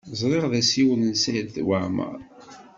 Ẓriɣ d asiwel n Saɛid Waɛmaṛ.